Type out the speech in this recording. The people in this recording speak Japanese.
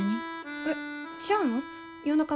えっちゃうの。